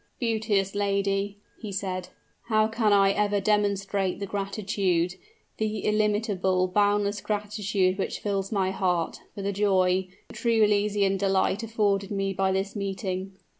"Beauteous lady," he said, "how can I ever demonstrate the gratitude the illimitable, boundless gratitude which fills my heart, for the joy, the truly elysian delight afforded me by this meeting?"